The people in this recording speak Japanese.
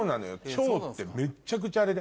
腸ってめっちゃくちゃあれで。